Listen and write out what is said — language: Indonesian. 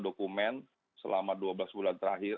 dokumen selama dua belas bulan terakhir